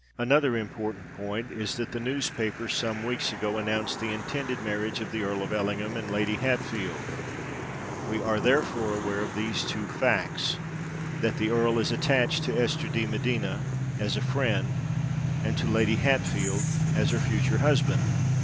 Another important point is that the newspapers some weeks ago announced the intended marriage of the Earl of Ellingham and Lady Hatfield. We are therefore aware of these two facts—that the Earl is attached to Esther de Medina as a friend, and to Lady Hatfield as her future husband."